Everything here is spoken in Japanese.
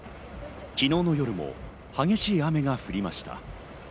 昨日の夜も激しい雨が降りました。